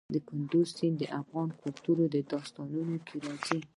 کندز سیند د افغان کلتور په داستانونو کې راځي.